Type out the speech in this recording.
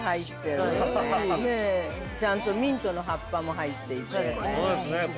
◆ちゃんとミントの葉っぱも入っていて。